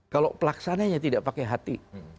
kalau pelaksananya tidak pakai hati